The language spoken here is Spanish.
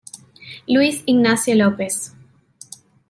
Luis Ignacio López.